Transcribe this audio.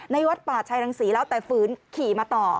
วัดป่าชัยรังศรีแล้วแต่ฝืนขี่มาต่อ